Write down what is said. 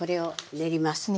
練ります。